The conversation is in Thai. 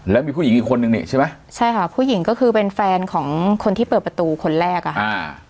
แล้วมีผู้หญิงอีกคนนึงนี่ใช่ไหมใช่ค่ะผู้หญิงก็คือเป็นแฟนของคนที่เปิดประตูคนแรกอ่ะอ่า